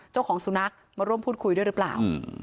เจ้าของสุนัขมาร่วมพูดคุยด้วยหรือเปล่า